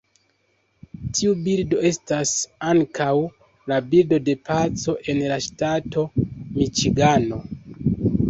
Tiu birdo estas ankaŭ la birdo de paco en la ŝtato Miĉigano.